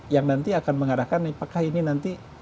yang nanti akan mengarahkan apakah ini nanti